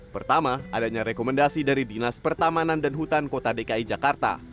pertama adanya rekomendasi dari dinas pertamanan dan hutan kota dki jakarta